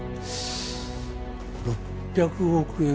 ６００億円